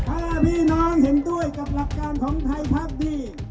ถ้าพี่น้องเห็นด้วยกับหลักการของไทยพักดี